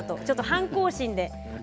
ちょっと反抗心で。